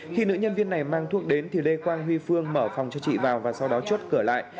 khi nữ nhân viên này mang thuốc đến thì lê quang huy phương mở phòng cho chị vào và sau đó chốt cửa lại